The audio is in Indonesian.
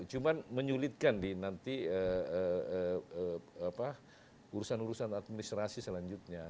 cuma menyulitkan di nanti urusan urusan administrasi selanjutnya